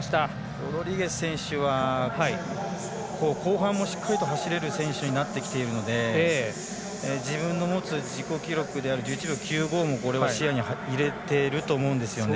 ロドリゲス選手は後半もしっかりと走れる選手になってきているので自分の持つ自己記録である１１秒９５も視野に入れていると思うんですよね。